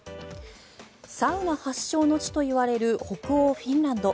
サウナ発祥の地といわれる北欧フィンランド。